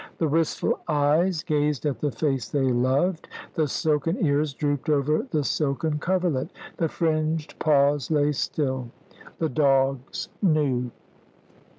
The wistful eyes gazed at the face they loved, the silken ears drooped over the silken coverlet, the fringed paws lay still. The dogs knew.